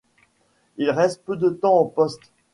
Il reste peu de temps en poste.